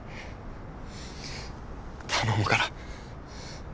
頼むから。